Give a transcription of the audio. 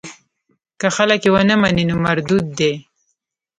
که خلک یې ونه مني نو مردود دی.